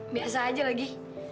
biasa aja lagi